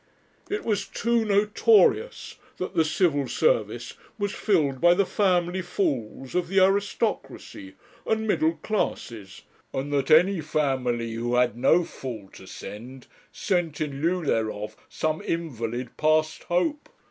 It was too notorious that the Civil Service was filled by the family fools of the aristocracy and middle classes, and that any family who had no fool to send, sent in lieu thereof some invalid past hope.